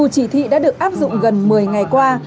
chỉ thị đã được áp dụng gần một mươi ngày qua